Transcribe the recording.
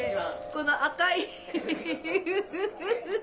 この赤いフフフフ。